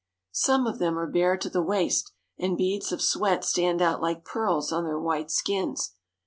Some of them are bare to the waist, and beads of sweat stand out like pearls on their white skins.